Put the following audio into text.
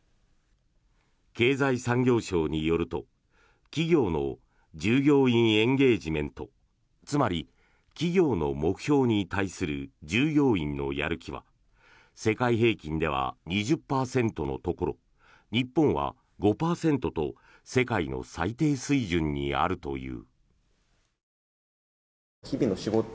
経済産業省によると企業の従業員エンゲージメントつまり、企業の目標に対する従業員のやる気は世界平均では２０％のところ日本は５％と世界の最低水準にあるという。